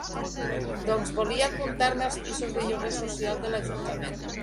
Doncs volia apuntar-me als pisos de lloguer social de l'ajuntament.